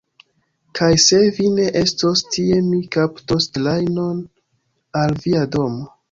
Kaj se vi ne estos tie mi kaptos trajnon al via domo!